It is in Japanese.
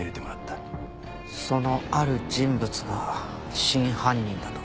その「ある人物」が真犯人だと？